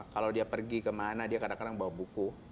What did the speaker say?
kalau dia pergi kemana dia kadang kadang bawa buku